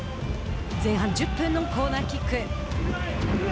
前半１０分のコーナーキック。